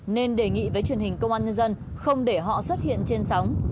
nên đề nghị với truyền hình công an nhân dân không để họ xuất hiện trên sóng